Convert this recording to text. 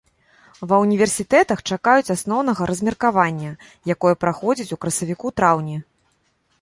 Ва ўніверсітэтах чакаюць асноўнага размеркавання, якое праходзіць у красавіку-траўні.